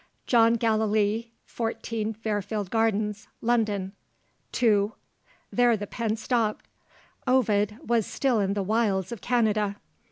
"John Gallilee, 14 Fairfield Gardens, London, To " There the pen stopped. Ovid was still in the wilds of Canada.